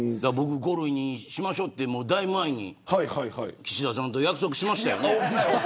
５類にしましょうってだいぶ前に岸田さんと約束しましたよね。